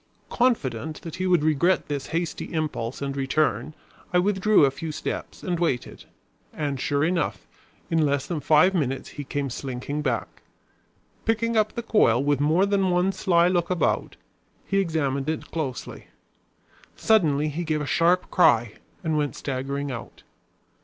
Confident that he would regret this hasty impulse and return, I withdrew a few steps and waited. And sure enough, in less than five minutes he came slinking back. Picking up the coil with more than one sly look about, he examined it closely. Suddenly he gave a sharp cry and went staggering out.